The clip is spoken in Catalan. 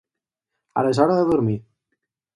Ara és hora de dormir.